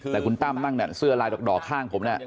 แต่คุณตั้มนั่งเนี่ยเสื้อลายดอกข้างผมเนี่ย